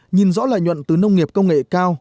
nhìn rõ lợi nhuận từ nông nghiệp công nghệ cao